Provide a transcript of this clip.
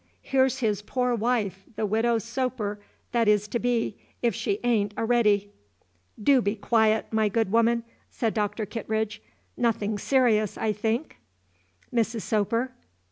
Here's his poor wife, the Widow Soper that is to be, if she a'n't a'ready." "Do be quiet, my good woman," said Dr. Kittredge. "Nothing serious, I think, Mrs. Soper.